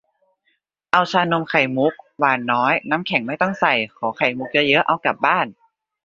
เอาชานมไข่มุก หวานน้อย น้ำแข็งไม่ต้องใส่ ขอไข่มุกเยอะ ๆ เอากลับบ้าน